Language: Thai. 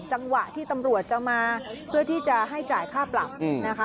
จังหวะที่ตำรวจจะมาเพื่อที่จะให้จ่ายค่าปรับนะคะ